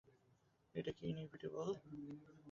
এটা কি ইনএভিটেবেল?